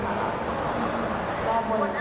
ฉันก็รอผลที่เดิมเลยค่ะ